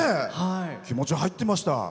気持ち入ってました。